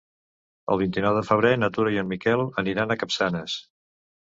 El vint-i-nou de febrer na Tura i en Miquel aniran a Capçanes.